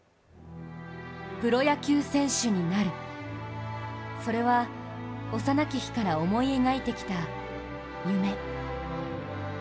「プロ野球選手になる」、それは幼き日から思い描いてきた、夢。